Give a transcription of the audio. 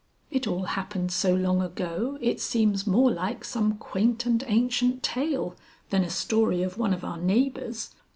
"It all happened so long ago it seems more like some quaint and ancient tale than a story of one of our neighbors.